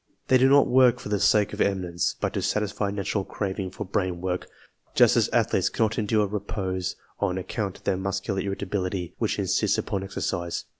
They do not work for the sake of eminence, but to satisfy a natural craving for brain work, just as athletes cannot endure repose on account of their muscular irritability, which insists upon exercise.